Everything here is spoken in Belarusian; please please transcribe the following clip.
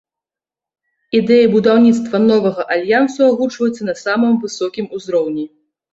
Ідэі будаўніцтва новага альянсу агучваюцца на самым высокім узроўні.